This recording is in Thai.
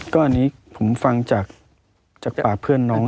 ก็อันนี้ผมฟังจากเพื่อนน้อง